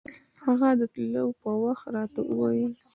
هغه د تلو پر وخت راته وويل.